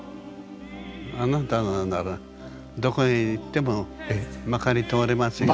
あなたならどこへ行ってもまかり通れますよ。